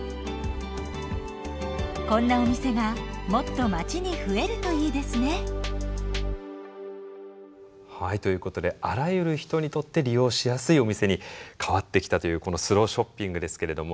こんなお店がもっと町に増えるといいですね。ということであらゆる人にとって利用しやすいお店に変わってきたというこのスローショッピングですけれども。